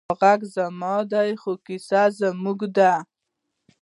دا غږ زما دی، خو کیسه زموږ ده.